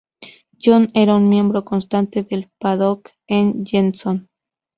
John era un miembro constante del "paddock" de Jenson.